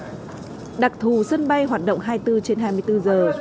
và mặc thù sân bay hoạt động hai mươi bốn trên hai mươi bốn giờ